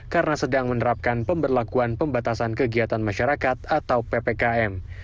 karena sedang menerapkan pemberlakuan pembatasan kegiatan masyarakat atau ppkm